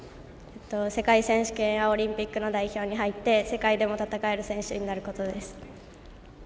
世界選手権やオリンピックの代表に入って世界でも戦える選手になることです。